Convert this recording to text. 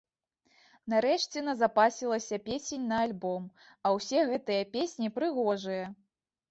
Нарэшце назапасілася песень на альбом, а ўсе гэтыя песні прыгожыя.